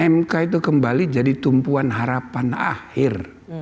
mk itu kembali jadi tumpuan harapan akhir